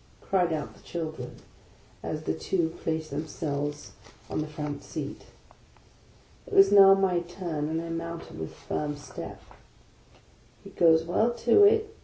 " cried out the children, as the two placed themselves on the front seat. It was now my turn, and I mounted with a firm step. " He goes well to it